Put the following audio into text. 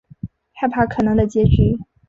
害怕可能的结局